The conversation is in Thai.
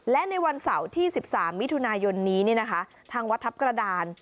และในวันเสาร์ที่๑๓มิถุนายนนี้ทางวัดทัพกระดาน